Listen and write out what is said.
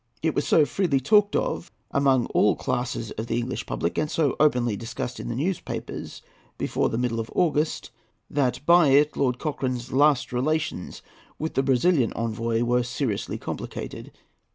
It was so freely talked of among all classes of the English public and so openly discussed in the newspapers before the middle of August that by it Lord Cochrane's last relations with the Brazilian envoy were seriously complicated.